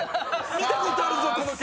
見たことあるぞこの県！